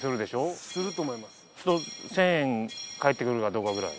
そうすると１，０００円返ってくるかどうかくらい。